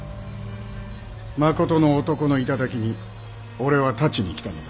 まことの男の頂に俺は立ちに来たのだ。